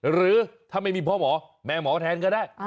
หรือถ้าไม่มีพ่อหมอแม่หมอแทนก็ได้